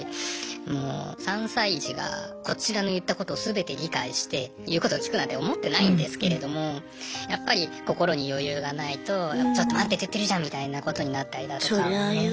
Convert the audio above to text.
もう３歳児がこちらの言ったこと全て理解して言うことを聞くなんて思ってないんですけれどもやっぱり心に余裕がないとちょっと待ってって言ってるじゃん！みたいなことになったりだとか。